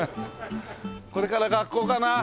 これから学校かな？